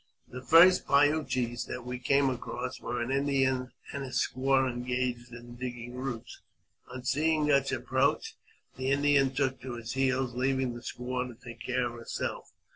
The first Pi u ches that we came across were an Indian and his squaw engaged in digging roots. On seeing us approach, the Indian took to his heels, leaving the squaw to take care of herself.